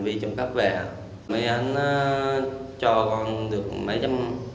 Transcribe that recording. với bật ma túy là thôi ạ